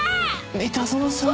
三田園さん。